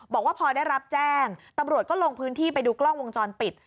บอกว่าพอได้รับแจ้งตำรวจก็ลงพื้นที่ไปดูกล้องวงจรปิด